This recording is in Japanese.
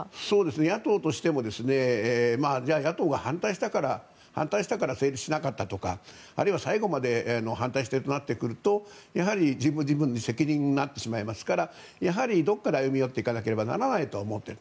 野党としてもじゃあ、野党が反対したから成立しなかったとかあるいは最後まで反対するとなってくるとやはり自分の責任になってしまいますからどこかで歩み寄っていかないとはならないと思っている。